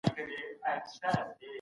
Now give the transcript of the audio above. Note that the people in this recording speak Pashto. انګریزان په هند کي ډیر امکانات لري.